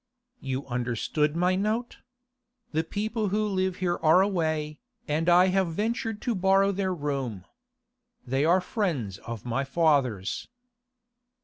'You understood my note? The people who live here are away, and I have ventured to borrow their room. They are friends of my father's.